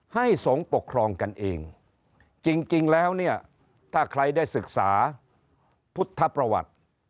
ให้สงฆ์ปกครองกันเองจริงแล้วเนี่ยถ้าใครได้ศึกษาพุทธประวัติ